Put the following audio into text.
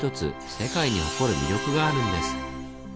世界に誇る魅力があるんです。